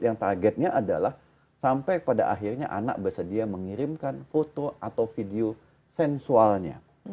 yang targetnya adalah sampai pada akhirnya anak bersedia mengirimkan foto atau video sensualnya